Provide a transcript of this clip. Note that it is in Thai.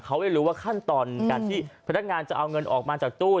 เขาไม่รู้ว่าขั้นตอนการที่พนักงานจะเอาเงินออกมาจากตู้